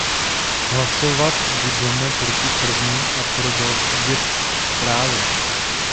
Hlasovat budeme proti první a pro další dvě zprávy.